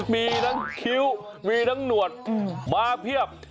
มีทั้งคิ้วมีทั้งหนวดมาเพียบ